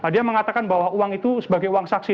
dia mengatakan bahwa uang itu sebagai uang saksi